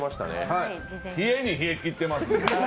冷えに冷えきってます。